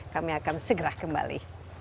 kami akan segera kembali